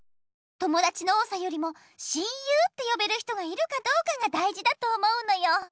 ともだちの多さよりも親友ってよべる人がいるかどうかがだいじだと思うのよ。